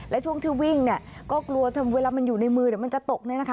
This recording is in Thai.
และช่วงที่วิ่งก็กลัวเวลามันอยู่ในมือจะตก